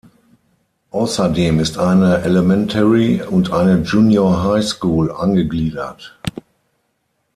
Außerdem ist eine Elementary und eine Junior High School angegliedert.